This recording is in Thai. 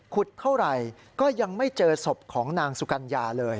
เท่าไหร่ก็ยังไม่เจอศพของนางสุกัญญาเลย